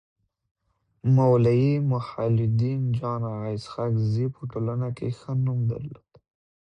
مولوي محي الدين جان اغا اسحق زي په ټولنه کي ښه نوم درلود.